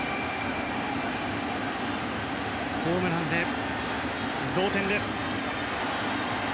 ホームランで同点です。